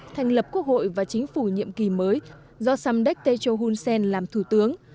thành lập quốc hội và chính phủ nhiệm kỳ mới do samdek techo hun sen làm thủ tướng